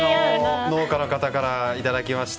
農家の方からいただきました！